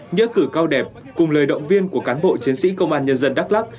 nhớ cử cao đẹp cùng lời động viên của cán bộ chiến sĩ công an nhân dân đắk lắk